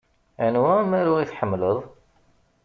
Anwa amaru i tḥemmleḍ?